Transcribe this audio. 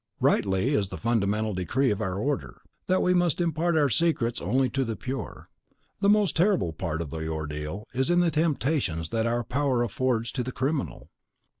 Rightly is it the fundamental decree of our order, that we must impart our secrets only to the pure. The most terrible part of the ordeal is in the temptations that our power affords to the criminal.